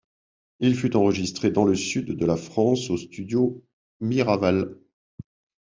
Il fut enregistré dans le sud de la France au studio Miraval.